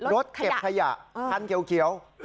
รถเก็บขยะคันเขียว